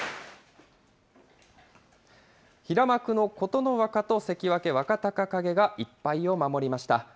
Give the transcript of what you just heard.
平幕の琴ノ若と関脇・若隆景が１敗を守りました。